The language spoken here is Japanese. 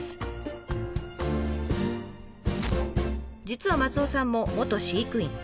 実は松尾さんも元飼育員。